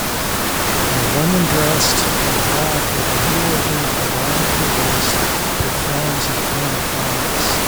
A woman dressed in black with a hula hoop around her waist performs in front of diners